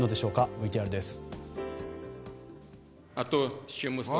ＶＴＲです。